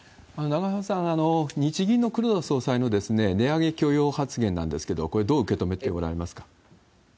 永濱さん、日銀の黒田総裁の値上げ許容発言なんですけれども、これ、どう受け止めておられますか？